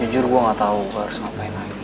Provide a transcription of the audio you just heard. ya jujur gue gak tau gue harus ngapain lagi